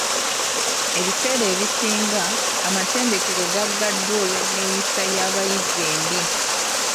Ebiseera ebisinga, amatendekero gaggaddwa olw'enneeyisa y'abayizi embi.